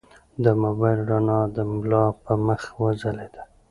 د موبایل رڼا د ملا په مخ وځلېده.